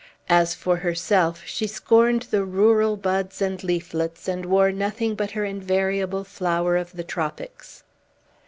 As for herself, she scorned the rural buds and leaflets, and wore nothing but her invariable flower of the tropics.